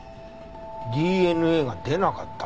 ＤＮＡが出なかった？